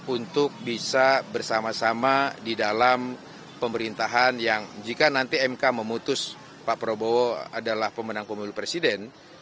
untuk bisa bersama sama di dalam pemerintahan yang jika nanti mk memutus pak prabowo adalah pemenang pemilu presiden